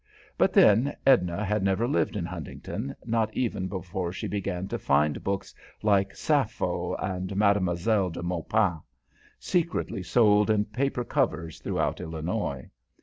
But then, Edna had never lived in Huntington, not even before she began to find books like "Sapho" and "Mademoiselle de Maupin," secretly sold in paper covers throughout Illinois.